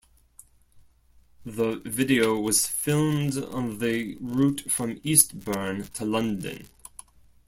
The video was filmed on the route from Eastbourne to London.